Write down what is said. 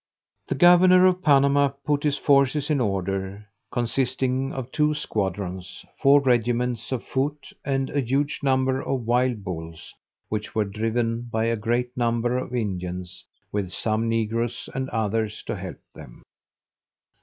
The governor of Panama put his forces in order, consisting of two squadrons, four regiments of foot, and a huge number of wild bulls, which were driven by a great number of Indians, with some negroes, and others, to help them.